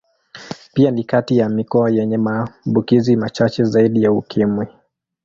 Pia ni kati ya mikoa yenye maambukizi machache zaidi ya Ukimwi.